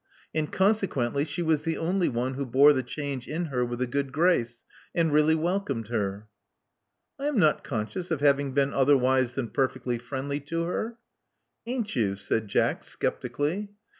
And consequently, she was the only one who bore the change in her with a good grace, and really welcomed her." I am not conscious of having been otherwise than perfectly friendly to her." Ain't you?" said Jack, sceptically.